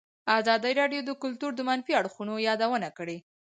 ازادي راډیو د کلتور د منفي اړخونو یادونه کړې.